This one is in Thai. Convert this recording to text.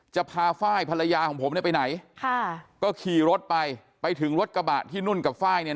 จะพาไฟล์ภรรยาของผมเนี่ยไปไหนค่ะก็ขี่รถไปไปถึงรถกระบะที่นุ่นกับไฟล์เนี่ย